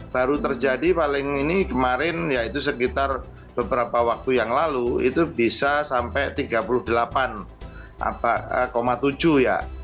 baru terjadi paling ini kemarin yaitu sekitar beberapa waktu yang lalu itu bisa sampai tiga puluh delapan tujuh ya